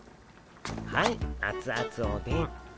はいあつあつおでん。